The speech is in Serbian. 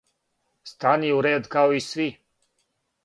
Стани у ред као и сви!